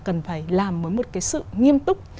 cần phải làm với một cái sự nghiêm túc